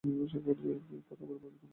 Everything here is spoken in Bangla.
কত বার ভাবি তোমারে দেখতে আসব।